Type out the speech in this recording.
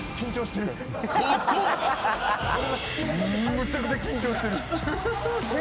むちゃくちゃ緊張してる！